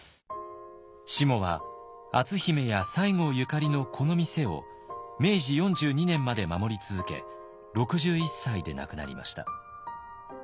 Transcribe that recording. しもは篤姫や西郷ゆかりのこの店を明治４２年まで守り続け６１歳で亡くなりました。